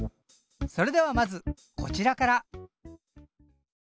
それではまずこちらから。